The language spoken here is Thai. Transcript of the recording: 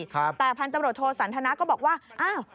แต่พันธ์ตำรวจโศษณธนะก็บอกว่าอ้าว